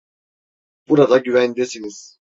Burada güvendesiniz.